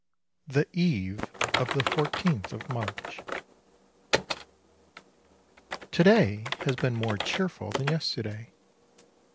THE EVE OF THE FOURTEENTH OF MARCH To day has been more cheerful than yesterday.